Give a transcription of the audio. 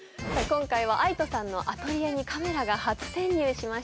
今回はＡＩＴＯさんのアトリエにカメラが初潜入しました。